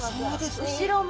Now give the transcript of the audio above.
後ろも。